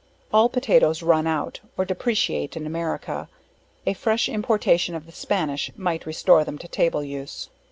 All potatoes run out, or depreciate in America; a fresh importation of the Spanish might restore them to table use.